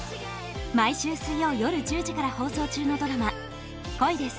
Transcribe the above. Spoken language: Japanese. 毎週水曜夜１０時から放送中のドラマ『恋です！